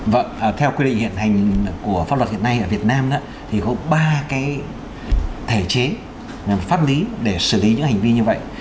vâng theo quy định hiện hành của pháp luật hiện nay ở việt nam thì có ba cái thể chế pháp lý để xử lý những hành vi như vậy